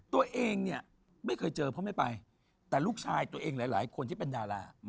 ตัวเองเนี่ยไม่เคยเจอเพราะไม่ไปแต่ลูกชายตัวเองหลายคนที่เป็นดารา